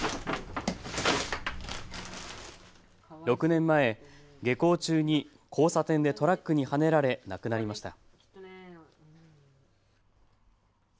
６年前、下校中に交差点でトラックにはねられ亡くなりました。